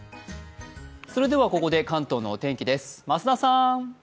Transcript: それでは、ここで関東のお天気です。